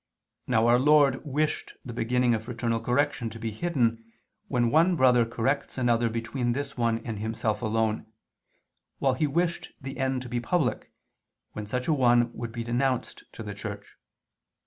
Now Our Lord wished the beginning of fraternal correction to be hidden, when one brother corrects another between this one and himself alone, while He wished the end to be public, when such a one would be denounced to the Church.